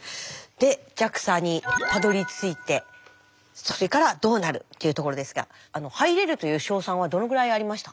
でＪＡＸＡにたどりついてそれからどうなるっていうところですがあの入れるという勝算はどのぐらいありました？